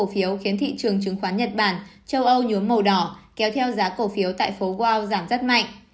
cổ phiếu khiến thị trường chứng khoán nhật bản châu âu nhuốm màu đỏ kéo theo giá cổ phiếu tại phố wow giảm rất mạnh